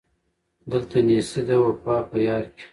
دلته نېستي ده وفا په یار کي